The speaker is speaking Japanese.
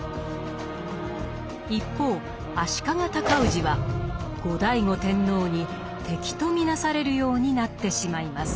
一方足利尊氏は後醍醐天皇に敵と見なされるようになってしまいます。